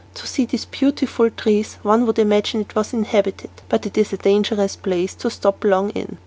To see these beautiful trees one would imagine it was inhabited, but it is a dangerous place to stop long in."